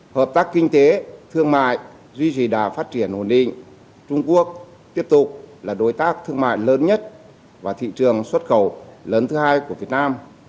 hợp tác kinh tế thương mại duy trì đà phát triển ổn định trung quốc tiếp tục là đối tác thương mại lớn nhất và thị trường xuất khẩu lớn thứ hai của việt nam